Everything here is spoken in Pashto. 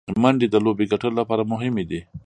منډې د لوبي ګټلو له پاره مهمي دي.